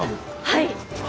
はい！